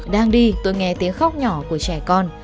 đang đi tôi nghe tiếng khóc nhỏ của trẻ con